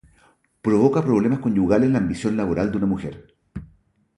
Provoca problemas conyugales la ambición laboral de una mujer.